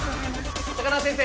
高輪先生！